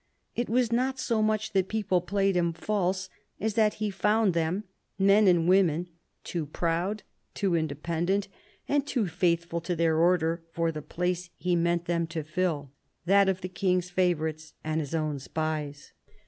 It was not so much that people played him false, as that he found them — men and women — too proud, too independent, and too faithful to their order for the place he meant them to fill — that of the King's favourites and his own spies.